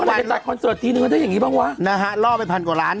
ไปตัดคอนเสิร์ตทีนึงก็ได้อย่างนี้บ้างวะนะฮะล่อไปพันกว่าล้าน